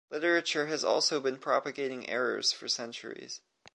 Literature has also been propagating errors for centuries.